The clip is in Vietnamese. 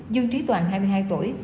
dương trí toàn hai mươi hai tuổi